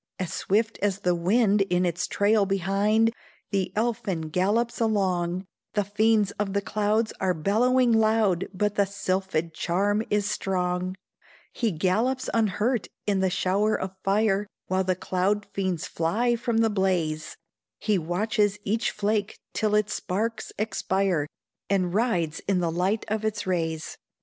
As swift as the wind in its trail behind The elfin gallops along, The fiends of the clouds are bellowing loud, But the sylphid charm is strong; He gallops unhurt in the shower of fire, While the cloud fiends fly from the blaze; He watches each flake till its sparks expire, And rides in the light of its rays.